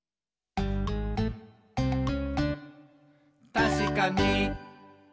「たしかに！」